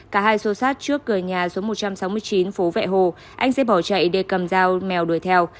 cả hai xô sát trước cửa nhà số một trăm sáu mươi chín phố vệ hồ anh sẽ bỏ chạy để cầm dao mèo đuổi theo